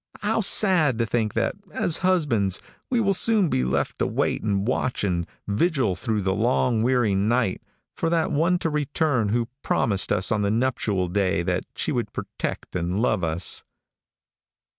How sad to think that, as husbands, we will soon be left to wait and watch and vigil through the long, weary night for that one to return who promised us on the nuptial day that she would protect and love us.